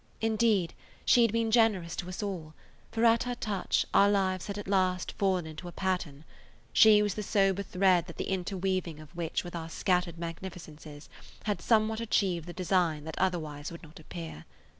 Indeed she had been generous to us all, for at her touch our lives had at last fallen into a pattern; she was the sober thread the interweaving of which with our scattered magnificences had somewhat achieved the design that otherwise would not appear.